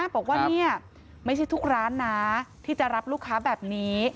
บอกว่านี่ไม่ใช่ทุกร้านนะที่จะรับลูกค้าแบบนี้